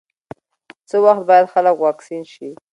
څه وخت باید خلک واکسین شي؟